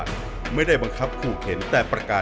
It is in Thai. เหมือนเล็บแบบงองเหมือนเล็บตลอดเวลา